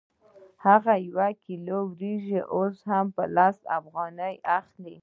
هماغه یو کیلو وریجې اوس په لس افغانۍ اخلو